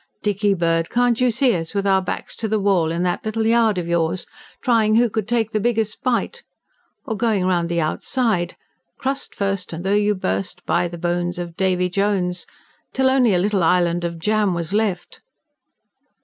"Dickybird, can't you see us, with our backs to the wall, in that little yard of yours, trying who could take the biggest bite? or going round the outside: 'Crust first, and though you burst, By the bones of Davy Jones!' till only a little island of jam was left?"